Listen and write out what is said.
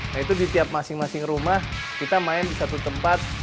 nah itu di tiap masing masing rumah kita main di satu tempat